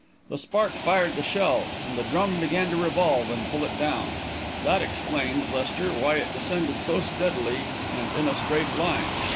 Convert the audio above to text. The spark fired the shell, and the drum began to revolve and pull it down. That explains, Lester, why it descended so steadily and in a straight line.